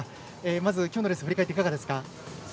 まず今日のレースを振り返っていかがですか？